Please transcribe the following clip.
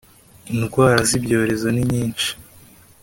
indwara z ibyorezo ninyinshi